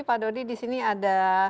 pak dodi di sini ada